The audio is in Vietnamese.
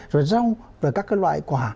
rồi rau và các loại quả